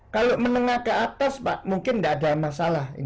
kalau menengah ke atas pak mungkin tidak ada masalah